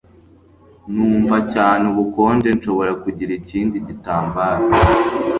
Numva cyane ubukonje Nshobora kugira ikindi gitambaro